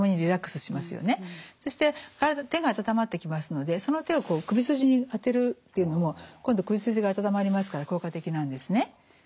そして手が温まってきますのでその手を首筋に当てるっていうのも今度首筋が温まりますから効果的なんですね。